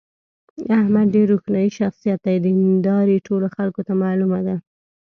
احمد ډېر روښاني شخصیت دی. دینداري ټولو خلکو ته معلومه ده.